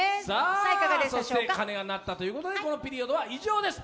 鐘が鳴ったということで、このピリオドは以上です。